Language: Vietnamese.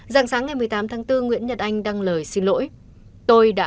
rạng sáng ngày một mươi tám tháng bốn nguyễn nhật anh đăng lời xin lỗi